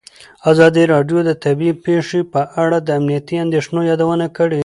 ازادي راډیو د طبیعي پېښې په اړه د امنیتي اندېښنو یادونه کړې.